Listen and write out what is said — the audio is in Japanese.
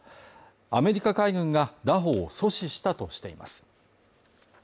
アメリカ海軍が、拿捕を阻止したとしています。